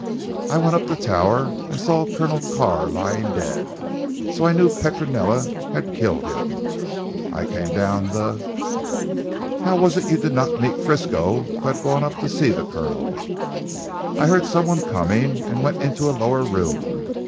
I went up the tower and saw Colonel Carr lying dead, so I knew Petronella had killed him. I came down the " "How was it you did not meet Frisco, who had gone up to see the Colonel?" "I heard someone coming and went into a lower room.